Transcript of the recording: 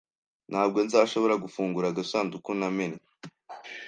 Ntabwo nzashobora gufungura agasanduku ntamennye.